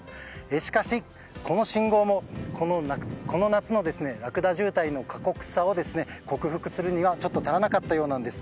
しかし、この信号もこの夏のラクダ渋滞の過酷さを克服するには足りなかったようなんです。